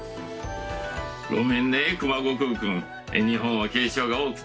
ごめんね熊悟空くん日本は敬称が多くて。